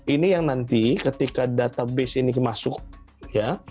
ini yang nanti ketika database ini masuk ya